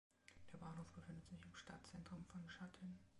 Der Bahnhof befindet sich im Stadtzentrum von Sha Tin.